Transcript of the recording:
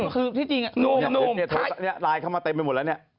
คือที่จริงเนี่ยโน้มนี่ไลน์เข้ามาเต็มไปหมดแล้วเนี่ย